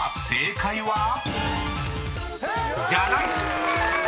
［正解は⁉］